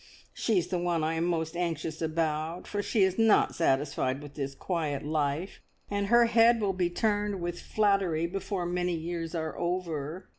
She's the one I am most anxious about, for she is not satisfied with this quiet life, and her head will be turned with flattery before many years are over.